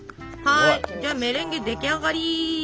はいメレンゲ出来上がり。